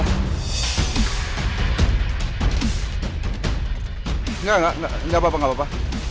tidak tidak tidak apa apa